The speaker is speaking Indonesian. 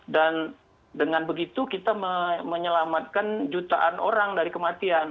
dan dengan begitu kita menyelamatkan jutaan orang dari kematian